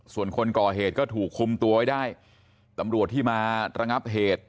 ส่วนคนก่อเหตุก็ถูกคุมตัวไว้ได้ตำรวจที่มาระงับเหตุ